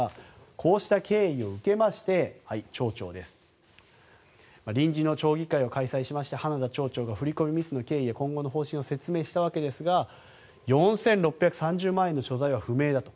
こうした経緯を受けまして町長、臨時の町議会を開催しました花田町長が、振り込みミスの経緯や今後の方針を説明したわけですが４６３０万円の所在は不明だと。